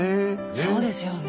そうですよね。